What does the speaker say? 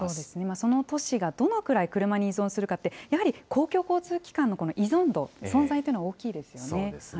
その都市がどのくらい車に依存するかって、やはり公共交通機関の依存度、存在というのが大きいですよね。